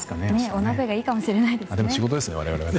お鍋がいいかもしれないですね！